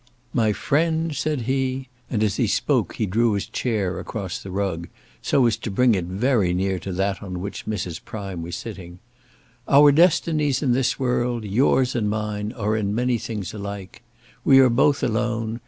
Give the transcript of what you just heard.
"My friend," said he, and as he spoke he drew his chair across the rug, so as to bring it very near to that on which Mrs. Prime was sitting "our destinies in this world, yours and mine, are in many things alike. We are both alone.